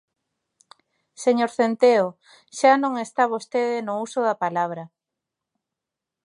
Señor Centeo xa non está vostede no uso da palabra.